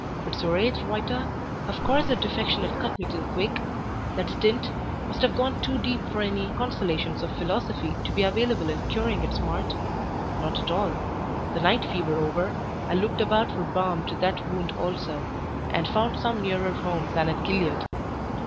But Zoraide Reuter? Of course her defection had cut me to the quick? That stint must have gone too deep for any consolations of philosophy to be available in curing its smart? Not at all. The night fever over, I looked about for balm to that wound also, and found some nearer home than at Gilead.